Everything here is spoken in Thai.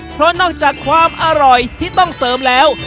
เพราะนอกจากความอร่อยที่ต้องเสริมแล้ว